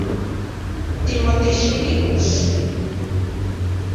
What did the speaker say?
¿Timotixili?